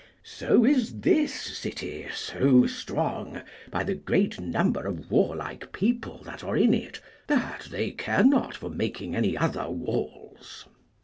So is this city so strong, by the great number of warlike people that are in it, that they care not for making any other walls.